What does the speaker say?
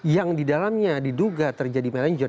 yang didalamnya diduga terjadi melanggar